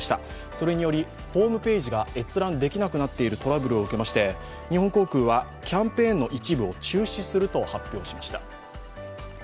それによりホームページが閲覧できなくなっているトラブルを受けまして日本航空はキャンペーンの一部を中止すると発表しました。